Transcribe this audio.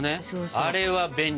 あれは便利。